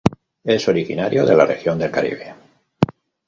Es originario de la región del Caribe.